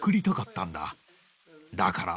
だから。